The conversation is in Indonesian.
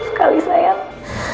waktu kamu itu udah gak banyak lagi